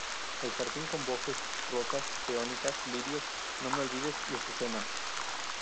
El jardín con bojes, rosas, peonías, lirios, no-me-olvides y azucenas.